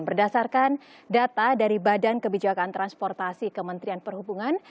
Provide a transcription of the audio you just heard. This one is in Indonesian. berdasarkan data dari badan kebijakan transportasi kementerian perhubungan